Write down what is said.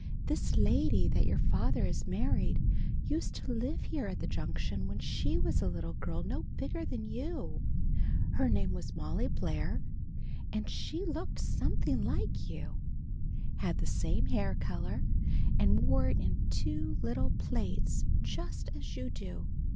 "This lady that your father has married, used to live here at the Junction when she was a little girl no bigger than you. Her name was Molly Blair, and she looked something like you had the same color hair, and wore it in two little plaits just as you do.